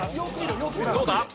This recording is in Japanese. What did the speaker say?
どうだ？